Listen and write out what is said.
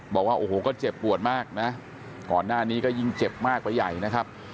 บอกว่าโอ้โหก็เจ็บปวดมากนะก่อนหน้านี้ก็ยิ่งเจ็บมากไปใหญ่นะครับ